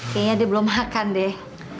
kayaknya dia belum makan deh